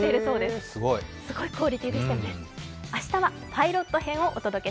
すごいクオリティーでしたよね。